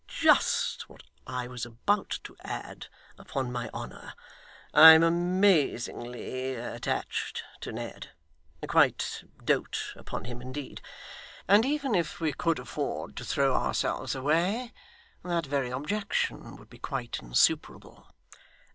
Just what I was about to add, upon my honour! I am amazingly attached to Ned quite doat upon him, indeed and even if we could afford to throw ourselves away, that very objection would be quite insuperable.